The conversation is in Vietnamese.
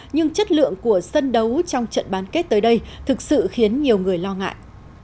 nhưng chất lượng của sân đấu trong trận bán kết tới đây thực sự khiến nhiều người lo ngại